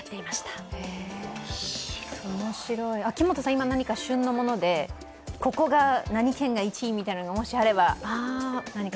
今、何か旬のものでここが何が１位というものが、もしあれば。